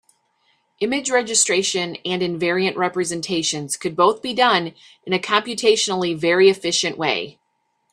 Image registration and invariant representations could both be done in a computationally very efficient way.